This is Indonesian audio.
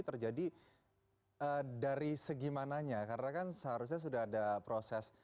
terjadi dari segimananya karena kan seharusnya sudah ada proses